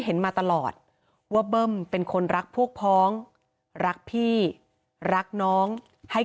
เห็นมาตลอดว่าเบิ้มเป็นคนรักพวกพ้องรักพี่รักน้องให้